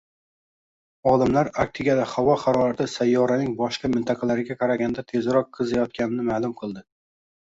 Olimlar Arktikada havo harorati sayyoraning boshqa mintaqalariga qaraganda tezroq qiziyotganini ma’lum qildi